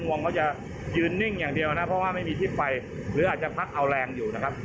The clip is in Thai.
วงเขาจะยืนนิ่งอย่างเดียวนะเพราะว่าไม่มีที่ไปหรืออาจจะพักเอาแรงอยู่นะครับ